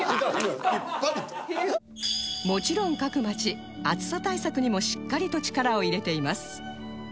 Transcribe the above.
もちろん各街暑さ対策にもしっかりと力を入れています